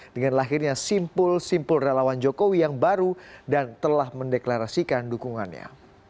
dengan lahirnya simpul simpul relawan jokowi yang baru dan telah mendeklarasikan dukungannya